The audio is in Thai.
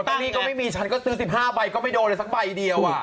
หนี้ก็ไม่มีฉันก็ซื้อ๑๕ใบก็ไม่โดนเลยสักใบเดียว